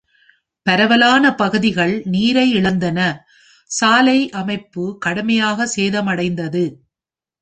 பரவலான பகுதிகள் நீரை இழந்தன, சாலை அமைப்பு கடுமையாக சேதமடைந்தது.